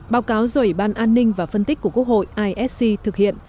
báo cáo do ủy ban an ninh và phân tích của quốc hội isc thực hiện